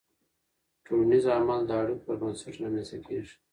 ټولنیز عمل د اړیکو پر بنسټ رامنځته کېږي.